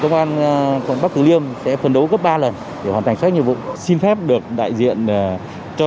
công an quận bắc tử liêm sẽ phấn đấu gấp ba lần để hoàn thành xuất nhiệm vụ xin phép được đại diện cho